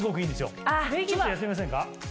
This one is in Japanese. ちょっとやってみませんか？